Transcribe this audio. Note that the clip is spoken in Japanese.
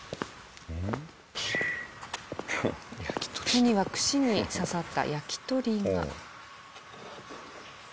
手には串に刺さった焼き鳥が。